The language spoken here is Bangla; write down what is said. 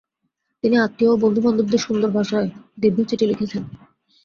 তিনি আত্মীয় ও বন্ধুবান্ধবদের সুন্দর ভাষায় দীর্ঘ চিঠিপত্র লিখেছেন।